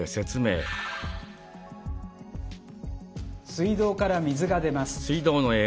水道から水が出ます。